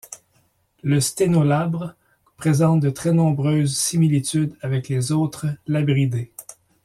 Le cténolabre présente de très nombreuses similitudes avec les autres labridés.